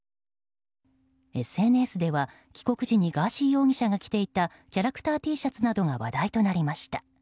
ＳＮＳでは帰国時にガーシー容疑者が着ていたキャラクターＴシャツなどが話題になりました。